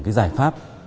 cái giải pháp